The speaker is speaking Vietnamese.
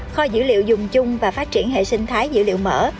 kho dữ liệu dùng chung và phát triển hệ sinh thái dữ liệu mở